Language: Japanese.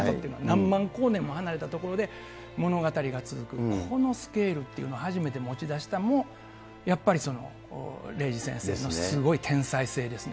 何万光年も離れた所で物語が続く、このスケールっていうのを初めて持ち出したのも、やっぱり零士先生のすごい天才性ですね。